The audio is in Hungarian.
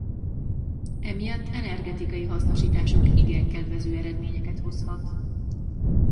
Emiatt energetikai hasznosításuk igen kedvező eredményeket hozhat.